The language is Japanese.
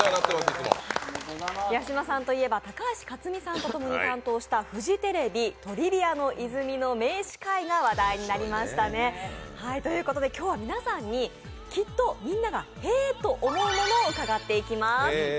八嶋さんといえば高橋克実さんとともに担当したフジテレビ「トリビアの泉」の名司会が話題になりましたね。ということで今日は皆さんに「きっとみんながへぇと思うもの」を伺っていきます。